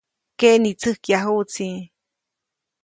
Keʼnitsäjkyajuʼtsi.